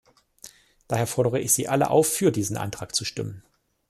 Daher fordere ich Sie alle auf, für diesen Antrag zu stimmen.